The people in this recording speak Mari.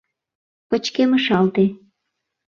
Пычкемышалте...